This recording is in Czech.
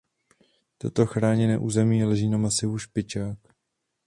Toto chráněné území leží na masivu Špičák.